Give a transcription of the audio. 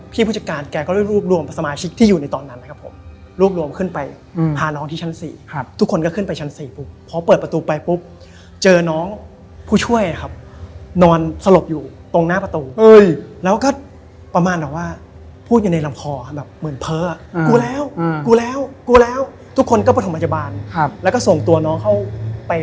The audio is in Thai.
พี่ผู้จักรการก็เลยหัดมาคุยกับพวกน้องว่า